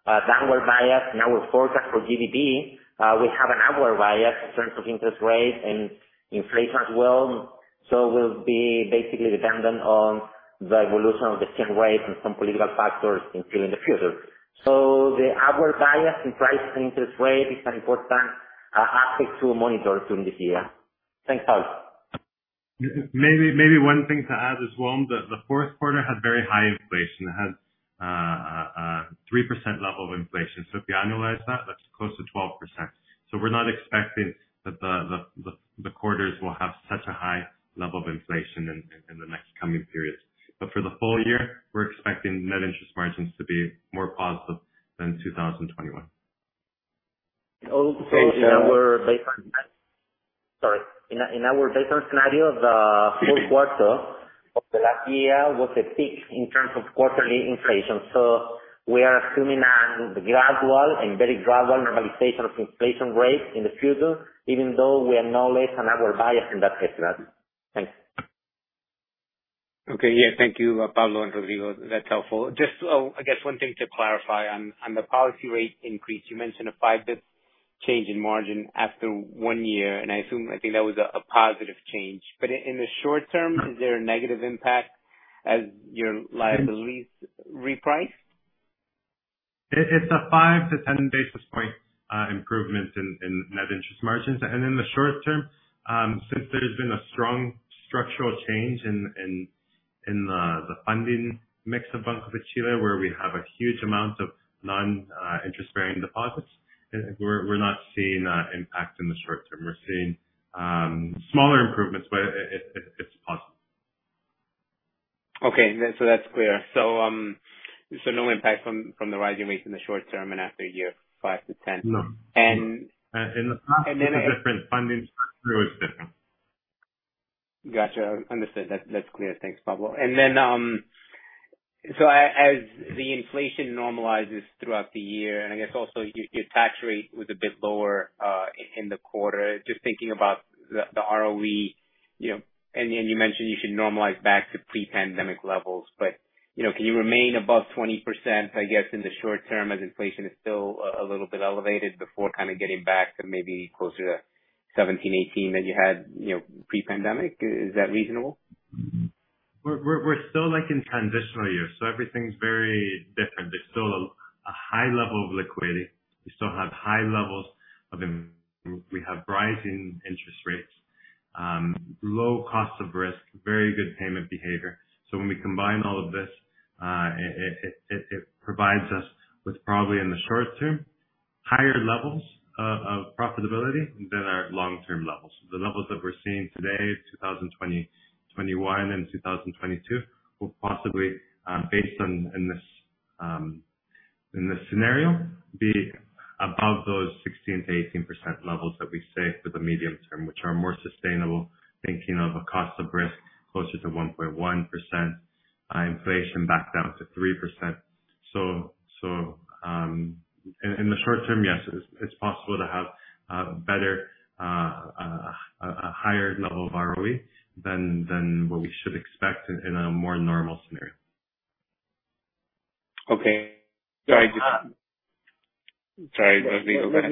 a downward bias in our forecast for GDP, we have an upward bias in terms of interest rate and inflation as well. We'll basically be dependent on the evolution of the exchange rate and some political factors including the future. The upward bias in price and interest rate is an important aspect to monitor during the year. Thanks, Pablo. Maybe one thing to add as well, the 4th quarter had very high inflation. It had a 3% level of inflation. If you annualize that's close to 12%. We're not expecting that the quarters will have such a high level of inflation in the next coming periods. But for the full year, we're expecting net interest margins to be more positive than 2021. In our base scenario, the 4th quarter of the last year was a peak in terms of quarterly inflation. We are assuming a gradual and very gradual normalization of inflation rate in the future, even though we acknowledge another bias in that case study. Thanks. Okay, yeah, thank you, Pablo and Rodrigo. That's helpful. Just, oh, I guess one thing to clarify on the policy rate increase, you mentioned a 50 basis point change in margin after one year, and I assume I think that was a positive change. In the short term, is there a negative impact as your liabilities reprice? It's a five to 10 basis points improvement in net interest margins. In the short term, since there has been a strong structural change in the funding mix of Banco de Chile, where we have a huge amount of non-interest-bearing deposits, we're not seeing an impact in the short term. We're seeing smaller improvements, but it's possible. Okay. That's clear. No impact from the rising rates in the short term and after a year five to 0. No. And- In the past it's a different funding structure. Gotcha. Understood. That's clear. Thanks, Pablo. As the inflation normalizes throughout the year, and I guess also your tax rate was a bit lower in the quarter, just thinking about the ROE, you know, and then you mentioned you should normalize back to pre-pandemic levels. You know, can you remain above 20%, I guess, in the short term as inflation is still a little bit elevated before kind of getting back to maybe closer to 17, 18 that you had, you know, pre-pandemic? Is that reasonable? We're still like in transitional year, so everything's very different. There's still a high level of liquidity. We still have high levels of- Let me add. Okay, sorry. Let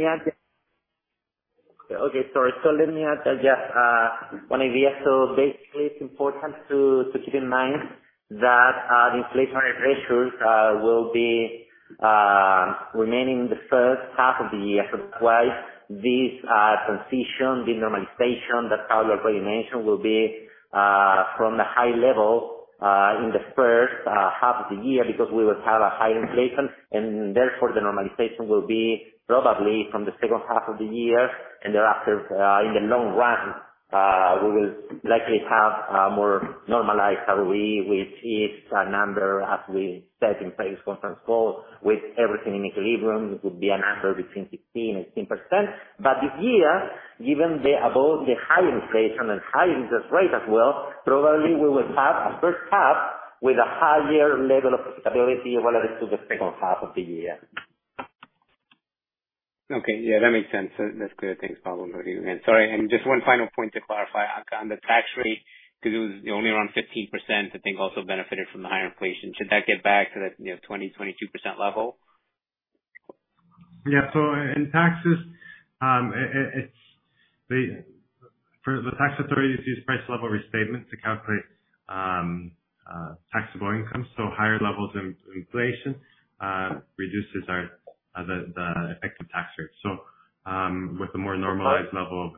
me add just one idea. Basically it's important to keep in mind that the inflationary pressures will be remaining in the first half of the year. That's why this transition, the normalization that Pablo already mentioned will be from the high level in the first half of the year because we will have a high inflation and therefore the normalization will be probably from the second half of the year. Thereafter, in the long run, we will likely have a more normalized ROE, which is a number as we said in previous conference call, with everything in equilibrium, it would be a number between 16%-18%. This year, given the high inflation and high interest rate as well, probably we will have a first half with a higher level of profitability relative to the second half of the year. Okay. Yeah, that makes sense. That's clear. Thanks, Pablo and Rodrigo. Sorry, and just one final point to clarify on the tax rate, because it was only around 15%, I think also benefited from the higher inflation. Should that get back to the, you know, 20%-22% level? Yeah. In taxes, for the tax authorities use price-level restatement to calculate taxable income, so higher levels of inflation reduces our effective tax rate. With the more normalized level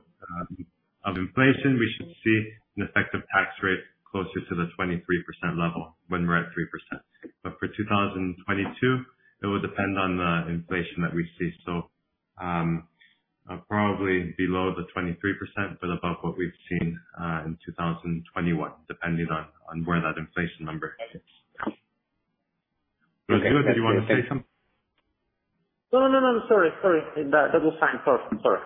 of inflation, we should see an effective tax rate closer to the 23% level when we're at 3%. For 2022, it will depend on the inflation that we see. Probably below the 23%, but above what we've seen in 2021, depending on where that inflation number ends. Rodrigo, did you wanna say something? No. Sorry. That was fine. Sorry.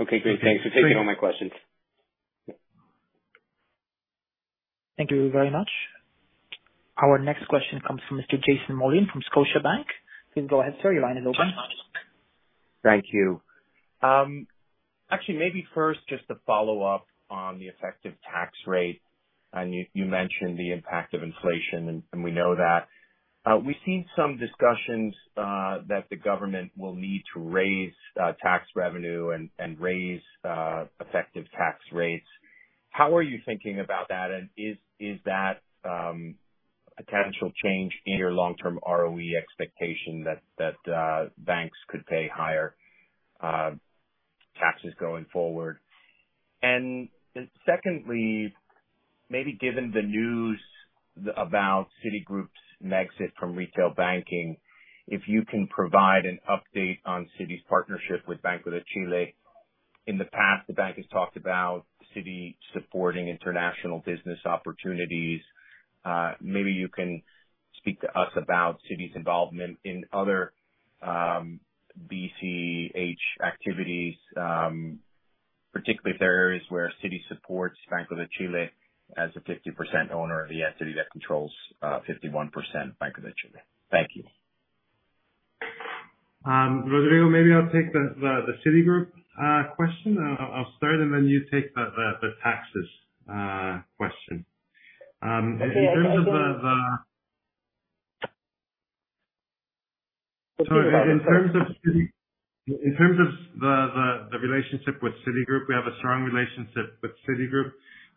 Okay, great. Thanks for taking all my questions. Thank you very much. Our next question comes from Mr. Jason Mollin from Scotiabank. Please go ahead, sir. Your line is open. Thank you. Actually, maybe first just to follow up on the effective tax rate, and you mentioned the impact of inflation and we know that. We've seen some discussions that the government will need to raise tax revenue and raise effective tax rates. How are you thinking about that? Is that a potential change in your long-term ROE expectation that banks could pay higher taxes going forward? Secondly, maybe given the news about Citigroup's exit from retail banking, if you can provide an update on Citi's partnership with Banco de Chile. In the past, the bank has talked about Citi supporting international business opportunities. Maybe you can speak to us about Citi's involvement in other BCH activities, particularly if there are areas where Citi supports Banco de Chile as a 50% owner, the entity that controls 51% Banco de Chile. Thank you. Rodrigo, maybe I'll take the Citigroup question. I'll start, and then you take the taxes question. In terms of the relationship with Citigroup, we have a strong relationship with Citigroup,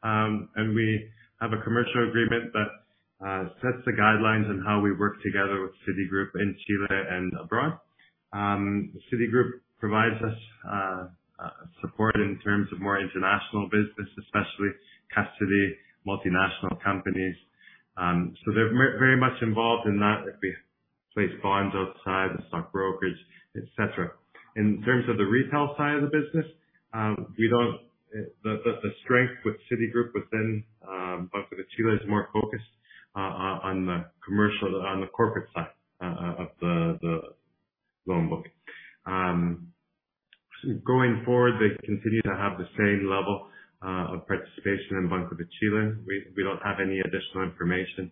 and we have a commercial agreement that sets the guidelines on how we work together with Citigroup in Chile and abroad. Citigroup provides us support in terms of more international business, especially custody, multinational companies. So they're very much involved in that, if we place bonds outside the stock brokerage, et cetera. In terms of the retail side of the business, the strength with Citigroup within Banco de Chile is more focused on the commercial, on the corporate side of the loan book. Going forward, they continue to have the same level of participation in Banco de Chile. We don't have any additional information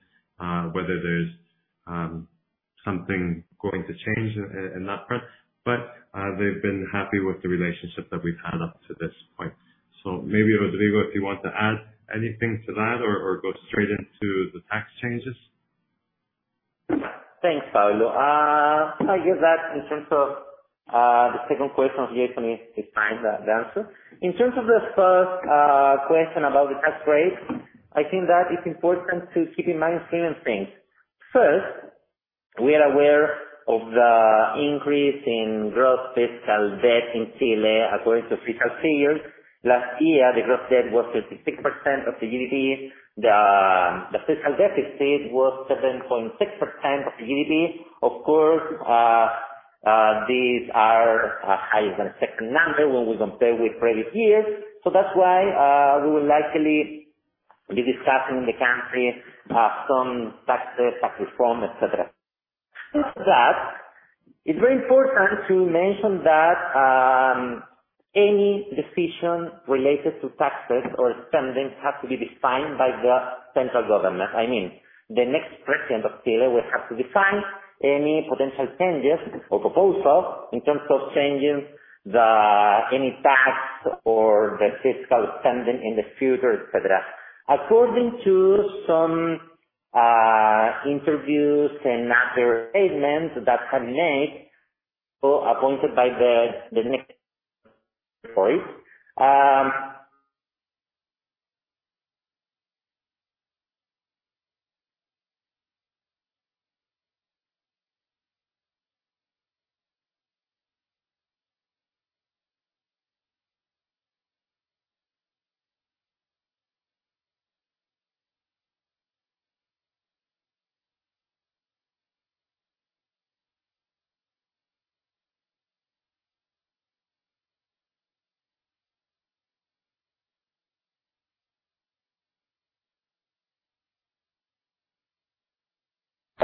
whether there's something going to change in that front. They've been happy with the relationship that we've had up to this point. Maybe, Rodrigo, if you want to add anything to that or go straight into the tax changes. Thanks, Pablo. I give that in terms of, the second question of Jason to find the answer. In terms of the first question about the tax rate, I think that it's important to keep in mind certain things. First, we are aware of the increase in gross fiscal debt in Chile according to fiscal year. Last year, the gross debt was 56% of the GDP. The fiscal deficit was 7.6% of the GDP. Of course, these are higher than second number when we compare with previous years. That's why we will likely be discussing in the country, some taxes, tax reform, et cetera. After that, it's very important to mention that, any decision related to taxes or spending has to be defined by the central government. I mean, the next president of Chile will have to define any potential changes or proposals in terms of changing any tax or the fiscal spending in the future, et cetera. According to some interviews and other statements that have been made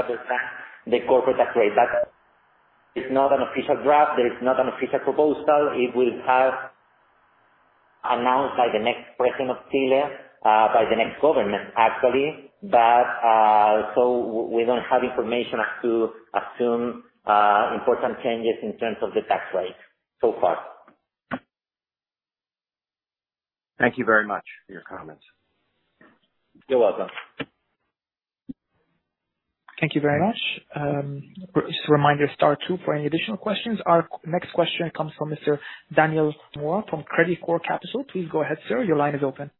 or appointed by the next, the corporate tax rate. That is not an official draft. There is not an official proposal. It will have announced by the next president of Chile, by the next government, actually. We don't have information as to assume important changes in terms of the tax rate so far. Thank you very much for your comments. You're welcome. Thank you very much. Just a reminder, star two for any additional questions. Our next question comes from Mr. Daniel Mora from Credicorp Capital. Please go ahead, sir. Your line is open.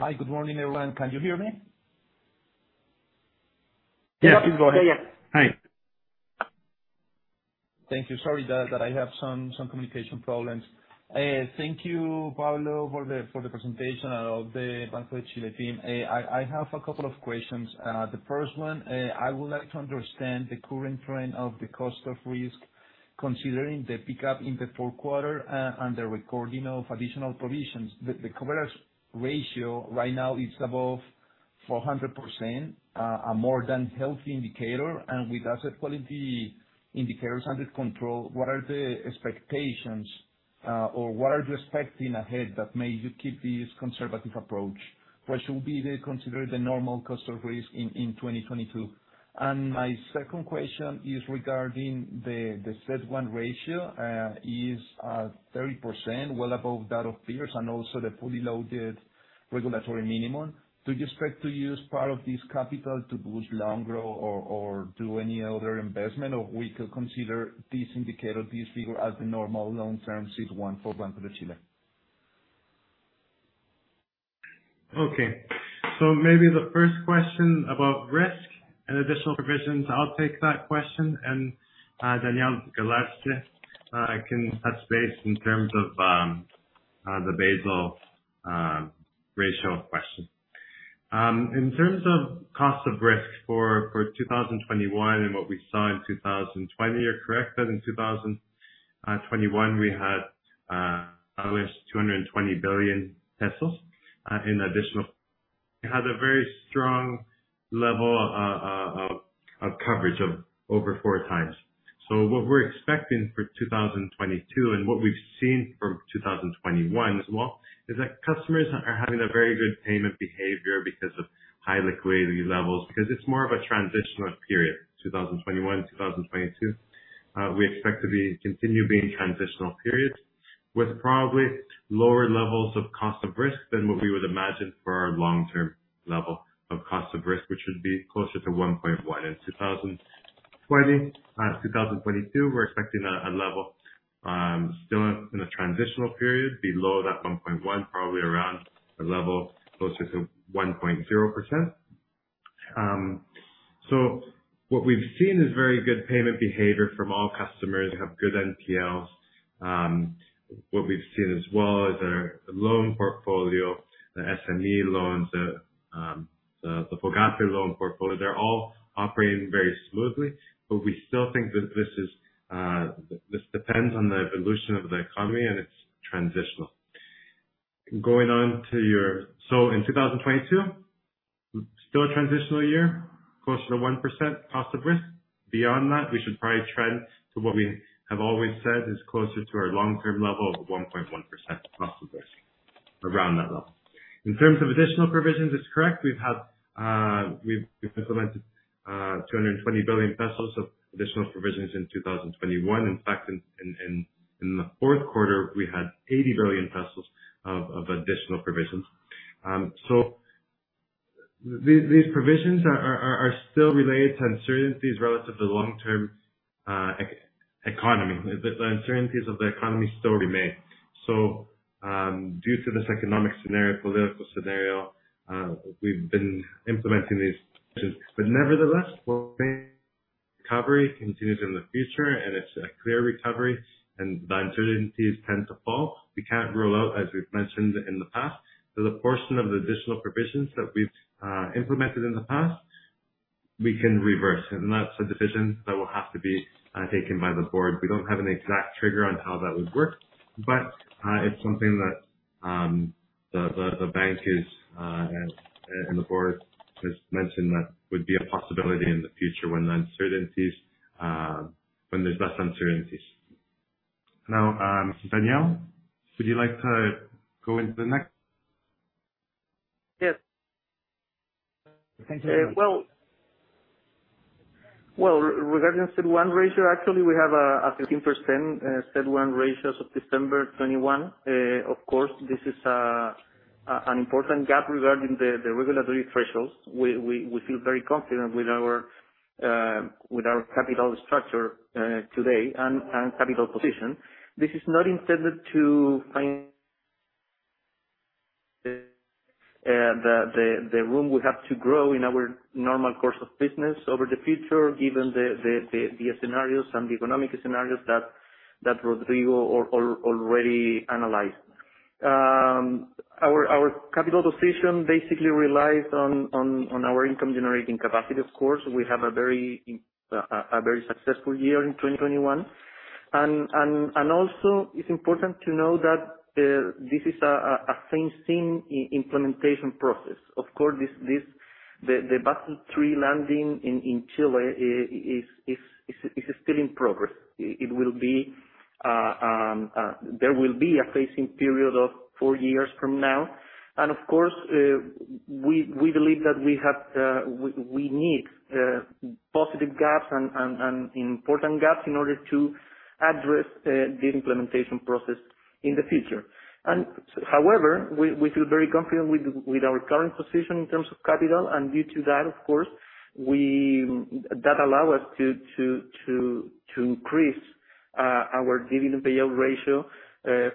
Hi. Good morning, everyone. Can you hear me? Yes, please go ahead. Hi. Thank you. Sorry that I have some communication problems. Thank you, Pablo, for the presentation of the Banco de Chile team. I have a couple of questions. The first one, I would like to understand the current trend of the cost of risk, considering the pickup in the 4th quarter, and the recording of additional provisions. The coverage ratio right now is above 400%, a more than healthy indicator. With asset quality indicators under control, what are the expectations or what are you expecting ahead that made you keep this conservative approach? What should be considered the normal cost of risk in 2022? My second question is regarding the CET1 ratio is 30%, well above that of peers and also the fully loaded regulatory minimum. Do you expect to use part of this capital to boost loan growth or do any other investment, or we could consider this indicator, this figure, as the normal long term CET1 for Banco de Chile? Okay. Maybe the 1st question about risk and additional provisions, I'll take that question. Daniel Galarce can touch base in terms of the Basel ratio question. In terms of cost of risk for 2021 and what we saw in 2020, you're correct that in 2021, we had at least 220 billion pesos in additional. It has a very strong level of coverage of over four times. What we're expecting for 2022, and what we've seen from 2021 as well, is that customers are having a very good payment behavior because of high liquidity levels. Because it's more of a transitional period, 2021, 2022. We expect to be... Continue being transitional periods with probably lower levels of cost of risk than what we would imagine for our long-term level of cost of risk, which would be closer to 1.1%. In 2022, we're expecting a level still in a transitional period below that 1.1%, probably around a level closer to 1.0%. What we've seen is very good payment behavior from all customers, have good NPL. What we've seen as well is our loan portfolio, the SME loans, the FOGAPE loan portfolio, they're all operating very smoothly, but we still think that this depends on the evolution of the economy, and it's transitional. Going on to your. In 2022, still a transitional year, closer to 1% cost of risk. Beyond that, we should probably trend to what we have always said is closer to our long-term level of 1.1% cost of risk, around that level. In terms of additional provisions, it's correct. We've implemented 220 billion pesos of additional provisions in 2021. In fact, in the 4th quarter, we had 80 billion pesos of additional provisions. These provisions are still related to uncertainties relative to long-term economy. The uncertainties of the economy still remain. Due to this economic scenario, political scenario, we've been implementing these provisions. Nevertheless, recovery continues in the future, and it's a clear recovery and the uncertainties tend to fall. We can't rule out, as we've mentioned in the past, that a portion of the additional provisions that we've implemented in the past, we can reverse, and that's a decision that will have to be taken by the board. We don't have an exact trigger on how that would work, but it's something that the bank is and the board has mentioned that would be a possibility in the future when there's less uncertainties. Now, Daniel, would you like to go into the next? Yes. Thank you. Well, regarding CET1 ratio, actually, we have a 15% CET1 ratio as of December 2021. Of course, this is an important gap regarding the regulatory thresholds. We feel very confident with our capital structure today and capital position. This is not intended to find the room we have to grow in our normal course of business over the future, given the scenarios and the economic scenarios that Rodrigo already analyzed. Our capital position basically relies on our income generating capacity, of course. We have a very successful year in 2021. Also it's important to know that this is a same thing implementation process. Of course, this. The Basel III landing in Chile is still in progress. It will be a phasing period of four years from now. Of course, we believe that we need positive gaps and important gaps in order to address the implementation process in the future. However, we feel very confident with our current position in terms of capital, and due to that, of course, that allows us to increase our dividend payout ratio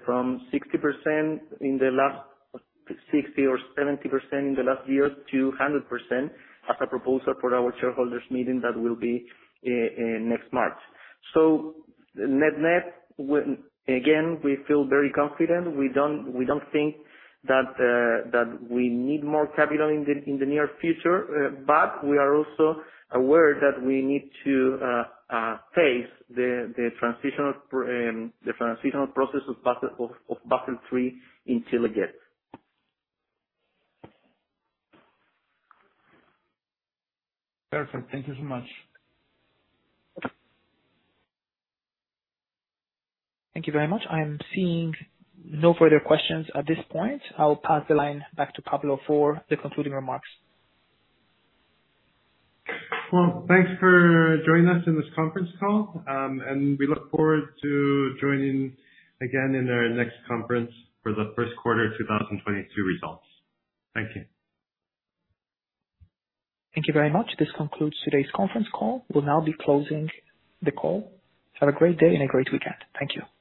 from 60% to 70% in the last year to 100% as a proposal for our shareholders meeting that will be in next March. Net-net, again, we feel very confident. We don't think that we need more capital in the near future. We are also aware that we need to face the transitional process of Basel III in Chile yet. Perfect. Thank you so much. Thank you very much. I am seeing no further questions at this point. I'll pass the line back to Pablo for the concluding remarks. Well, thanks for joining us in this conference call, and we look forward to joining again in our next conference for the 1st quarter 2022 results. Thank you. Thank you very much. This concludes today's conference call. We'll now be closing the call. Have a great day and a great weekend. Thank you.